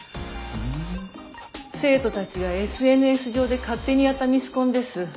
生徒たちがＳＮＳ上で勝手にやったミスコンです。